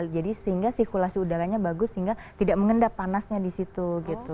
jadi sehingga sirkulasi udaranya bagus sehingga tidak mengendap panasnya di situ gitu